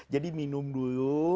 jadi minum dulu